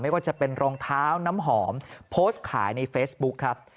ว่าจะเป็นรองเท้าน้ำหอมโพสต์ขายในเฟซบุ๊คครับ